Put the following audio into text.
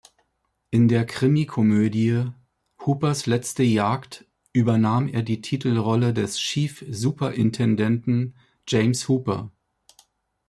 In der Krimi-Komödie "Hoopers letzte Jagd" übernahm er die Titelrolle des Chief-Superintendenten James Hooper.